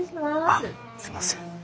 あっすいません。